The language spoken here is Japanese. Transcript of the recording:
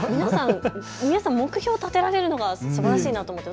皆さん、目標を立てられるのがすばらしいなと思って。